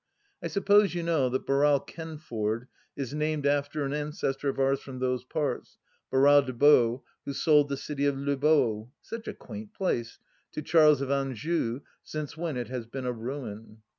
I suppose you know that Barral Quenford is named after an ancestor of ours from those parts, Barral des Baux, who sold the city of Les Baux — such a quaint place !— to Charles of Anjou, since when it has been a ruin.